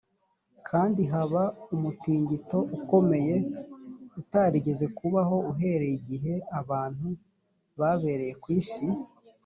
kandi haba umutingito ukomeye utarigeze kubaho uhereye igihe abantu babereye ku isi